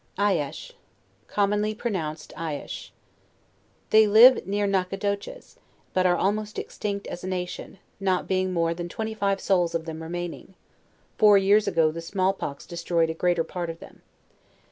ALICHE, (commonly pronounced Eyeish.} They live near Nacogdochesj but are almost extinct, as a nation, not beingf more than twenty five souk of them remaining^ four years ago the small pox destroyed a greater part of them.